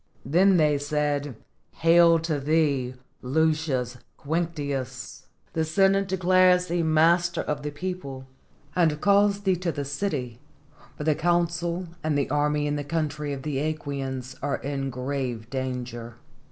Then they said, "Hail to thee, Lucius Quinctius! the Senate declares thee master of the people, and calls thee to the city, for the consul and the army in the country of the ^quians are in great danger."